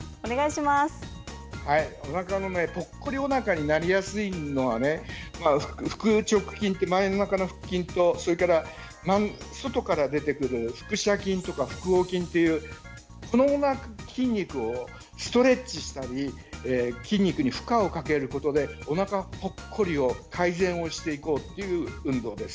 ぽっこりおなかになりやすいのは腹直筋っていう前のおなかの腹筋と外から出てくる腹斜筋とか腹横筋というこの筋肉をストレッチしたり筋肉に負荷をかけることでおなかぽっこりを改善をしていこうという運動です。